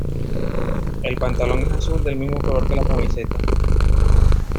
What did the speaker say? El pantalón es azul del mismo color que la camiseta.